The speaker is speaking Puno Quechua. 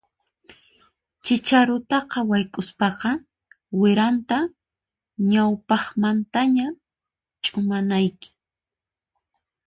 Chicharuta wayk'uspaqa wiranta ñawpaqmantaña ch'umanayki.